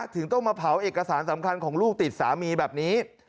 ถึงต้องมาเผาเอกสารสำคัญของลูกติดสามีแบบนี้